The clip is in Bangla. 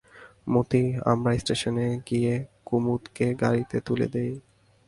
মতি, আমরা স্টেশনে গিয়ে কুমুদকে গাড়িতে তুলে দিই।